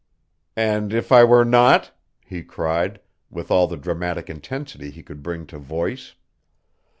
"And if I were not?" he cried, with all the dramatic intensity he could bring to voice.